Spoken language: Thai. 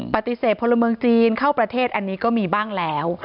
พลเมืองจีนเข้าประเทศอันนี้ก็มีบ้างแล้ว